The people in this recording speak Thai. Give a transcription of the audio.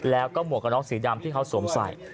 แล้วก็หมวกกระน็อกสีดำที่เขาสวมใส่